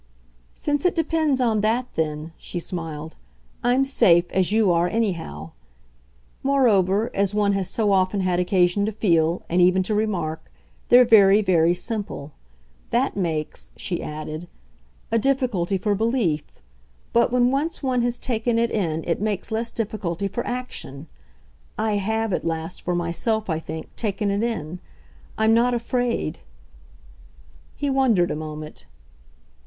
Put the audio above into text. "Since it depends on that then," she smiled, "I'm safe as you are anyhow. Moreover, as one has so often had occasion to feel, and even to remark, they're very, very simple. That makes," she added, "a difficulty for belief; but when once one has taken it in it makes less difficulty for action. I HAVE at last, for myself, I think, taken it in. I'm not afraid." He wondered a moment.